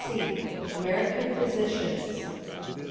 2C. American Physicians.